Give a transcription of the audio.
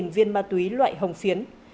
năm mươi năm viên ma túy loại hồng phiến